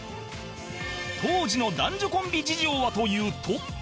当時の男女コンビ事情はというと